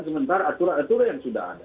sementara aturan aturan yang sudah ada